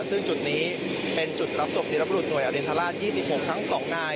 ซึ่งจุดนี้เป็นจุดรับสวบสีรับบุรุษหน่วยอรินทราช๒๖ครั้ง๒นาย